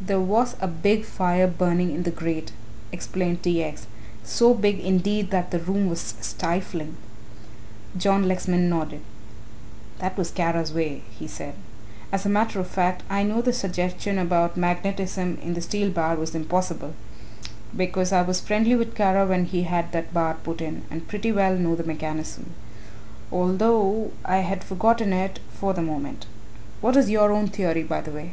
"There was a big fire burning in the grate," explained T. X.; "so big indeed that the room was stifling." John Lexman nodded. "That was Kara's way," he said; "as a matter of fact I know the suggestion about magnetism in the steel bar was impossible, because I was friendly with Kara when he had that bar put in and pretty well know the mechanism, although I had forgotten it for the moment. What is your own theory, by the way?"